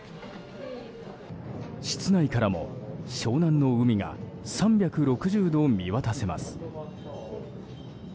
室内からも湘南の海が３６０度見渡せます。